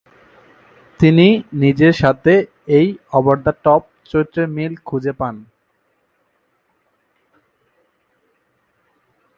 তিনি নিজের সাথে এই "ওভার-দ্য-টপ" চরিত্রের মিল খুঁজে পান।